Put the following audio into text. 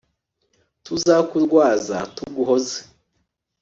Tuzakurwaza tuguhoze